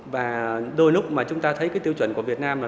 và đôi lúc mà chúng ta thấy cái tiêu chuẩn của việt nam là năm mươi